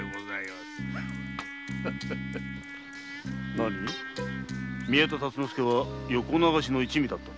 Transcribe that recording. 何宮田達之助は横流しの一味だったと？